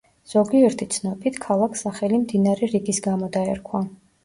ზოგიერთი ცნობით ქალაქს სახელი მდინარე რიგის გამო დაერქვა.